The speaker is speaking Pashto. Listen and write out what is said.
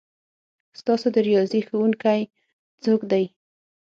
ستاسو د ریاضي ښؤونکی څوک دی؟